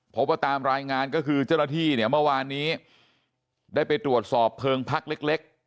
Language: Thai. พบว่าตามรายงานก็คือเจ้าหน้าที่เนี่ยเมื่อวานนี้ได้ไปตรวจสอบเพลิงพักเล็ก